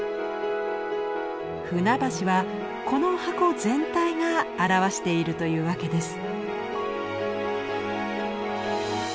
舟橋はこの箱全体が表しているというわけです。